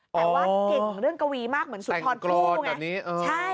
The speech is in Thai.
แต่ว่าเก่งเรื่องกะวีมากเหมือนสุนทรฟู้ไงแต่ว่าเก่งเรื่องกะวีมากเหมือนสุนทรฟู้ไง